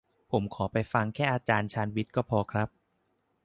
ผมขอไปฟังแค่อาจารย์ชาญวิทย์ก็พอครับ